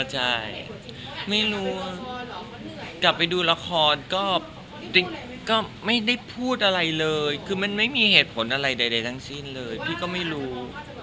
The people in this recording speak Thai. ใช่ไม่รู้กลับไปดูละครก็ไม่ได้พูดอะไรเลยคือมันไม่มีเหตุผลอะไรใดทั้งสิ้นเลยพี่ก็ไม่รู้